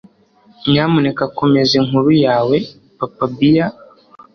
Nyamuneka komeza inkuru yawe papabear